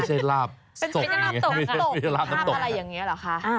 เป็นภาพอะไรอย่างนี้เหรอคะ